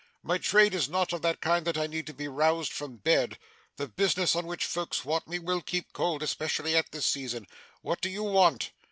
My trade is not of that kind that I need be roused from bed. The business on which folks want me, will keep cold, especially at this season. What do you want?